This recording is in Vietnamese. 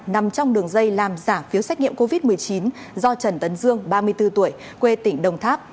nằm trong đường dây làm giả phiếu xét nghiệm covid một mươi chín do trần tấn dương ba mươi bốn tuổi quê tỉnh đồng tháp